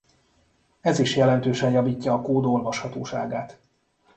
Ez is jelentősen javítja a kód olvashatóságát.